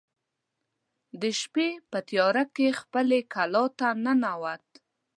د شپې په تیاره کې خپلې کلا ته ننوت.